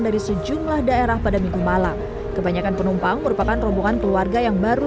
dari sejumlah daerah pada minggu malam kebanyakan penumpang merupakan rombongan keluarga yang baru